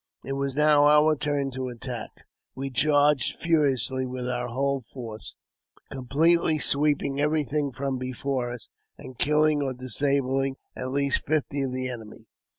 It was now our turn to attack. We charged furiously with our whole force, completely sweeping everything from before us, and killing or disabling at least fifty of the enemy.